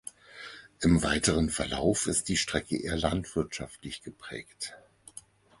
Im weiteren Verlauf ist die Strecke eher landwirtschaftlich geprägt.